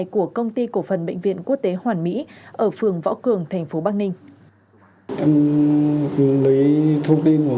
của công ty cổ phần bệnh viện quốc tế hoàn mỹ ở phường võ cường tp bắc ninh